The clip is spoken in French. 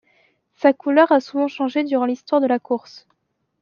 Sa couleur a souvent changé durant l'histoire de la course.